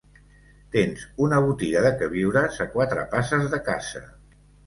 Tens una botiga de queviures a quatre passes de casa.